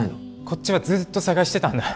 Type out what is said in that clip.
こっちはずっと捜してたんだ。